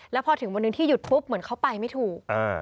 แล้วพอถึงวันหนึ่งที่หยุดปุ๊บเหมือนเขาไปไม่ถูก